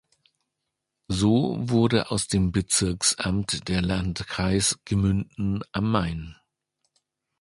So wurde aus dem Bezirksamt der Landkreis Gemünden am Main.